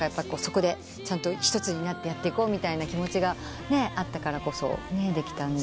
そこで一つになってやっていこうみたいな気持ちがあったからこそできた。